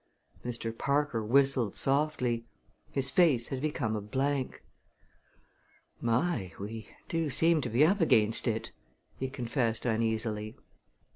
Mr. Parker whistled softly. His face had become a blank. "My! We do seem to be up against it!" he confessed uneasily.